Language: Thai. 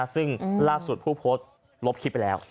ซึ่งล่าสุดผู้โพสต์ลบคลิปไปแล้ว